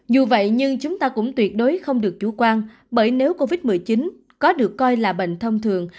dù vậy nhưng chúng ta cũng tuyệt đối không được chủ quan bởi nếu covid một mươi chín có được coi là bệnh thông thường